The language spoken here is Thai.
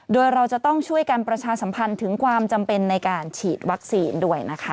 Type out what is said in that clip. โดยเราจะต้องช่วยกันประชาสัมพันธ์ถึงความจำเป็นในการฉีดวัคซีนด้วยนะคะ